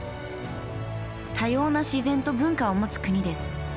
多様な自然と文化を持つ国です。